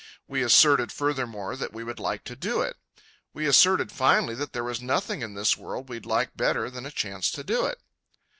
We asserted furthermore that we would like to do it. We asserted finally that there was nothing in this world we'd like better than a chance to do it.